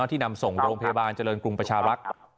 ที่นำส่งโรงพยาบาลเจริญกรุงประชารักษ์